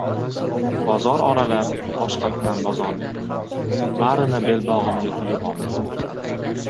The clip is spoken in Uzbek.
Bozor oralab, boshqatdan bozorlik qildim. Barini belbog‘imga tugib oldim.